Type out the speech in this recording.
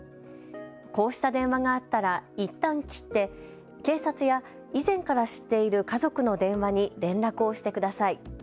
こうした電話があったらいったん切って警察や以前から知っている家族の電話に連絡をしてください。